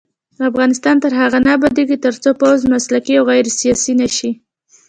افغانستان تر هغو نه ابادیږي، ترڅو پوځ مسلکي او غیر سیاسي نشي.